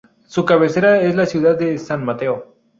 Su cabecera es la ciudad de San Mateo.